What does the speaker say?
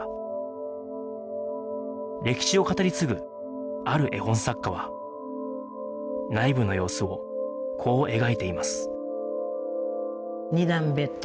歴史を語り継ぐある絵本作家は内部の様子をこう描いています